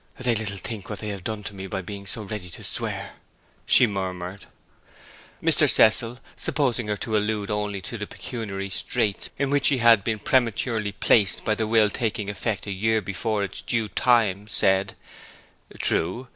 'They little think what they have done to me by being so ready to swear!' she murmured. Mr. Cecil, supposing her to allude only to the pecuniary straits in which she had been prematurely placed by the will taking effect a year before its due time, said, 'True.